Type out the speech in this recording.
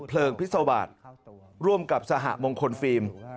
เพลิงพิศวาสร่วมกับสหมคฤมิตร